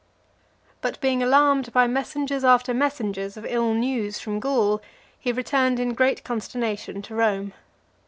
But being alarmed by messengers after messengers of ill news from Gaul, he returned in great consternation to Rome.